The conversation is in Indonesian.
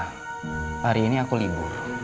hari ini aku libur